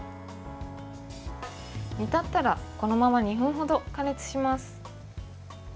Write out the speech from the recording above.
煮立ったらこのまま２分程、加熱します。